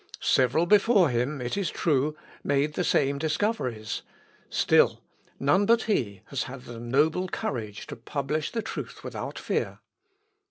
Several before him, it is true, made the same discoveries: still none but he has had the noble courage to publish the truth without fear.